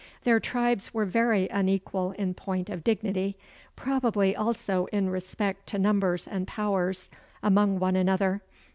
Their tribes were very unequal in point of dignity, probably also in respect to numbers and powers, among one another.